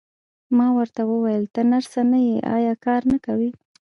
ما ورته وویل: ته نرسه نه یې، ایا کار نه کوې؟